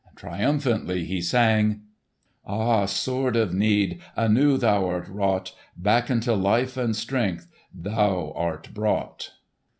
Triumphantly he sang, "Ah, Sword of Need! Anew thou art wrought; Back unto life and strength Thou art brought!"